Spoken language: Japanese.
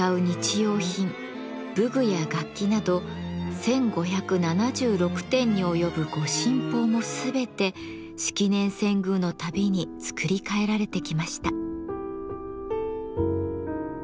用品武具や楽器など１，５７６点に及ぶ御神宝も全て式年遷宮のたびに作り替えられてきました。